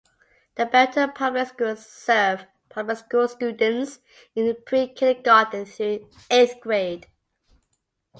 The Barrington Public Schools serve public school students in pre-Kindergarten through eighth grade.